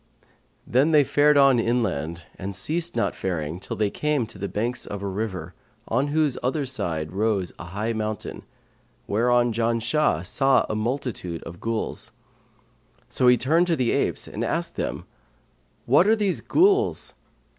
Then they fared on inland and ceased not faring till they came to the banks of a river, on whose other side rose a high mountain, whereon Janshah saw a multitude of Ghuls. So he turned to the apes and asked them, 'What are these Ghuls?'